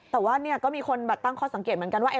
แต่ว่าก็มีคนตั้งข้อสังเกตเหมือนกันว่า